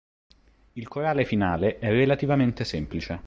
Il corale finale è relativamente semplice.